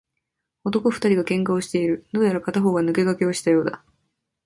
男二人が喧嘩をしている。どうやら片方が抜け駆けをしたようだ。